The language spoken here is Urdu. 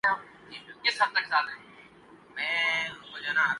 کیا ہمارے ملک میں جتنی مسلم لیگ نامی